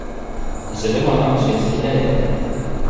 Il se demanda ensuite ce qu’il allait faire.